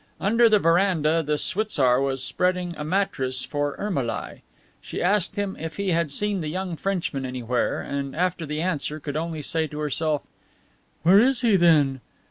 Under the veranda the schwitzar was spreading a mattress for Ermolai. She asked him if he had seen the young Frenchman anywhere, and after the answer, could only say to herself, "Where is he, then?"